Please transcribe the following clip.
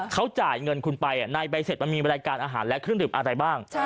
เขาจ่ายเงินคุณไปในใบเสร็จมันมีรายการอาหารและเครื่องดื่มอะไรบ้าง